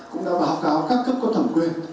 cũng đã báo cáo các cấp có thẩm quyền